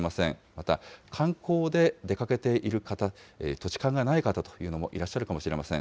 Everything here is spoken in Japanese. また観光で出かけている方、土地勘がない方というのもいらっしゃるかもしれません。